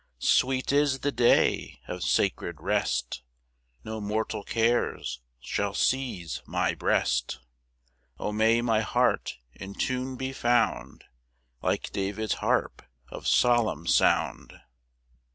2 Sweet is the day of sacred rest, No mortal cares shall seize my breast; O may my heart in tune be found Like David's harp of solemn sound!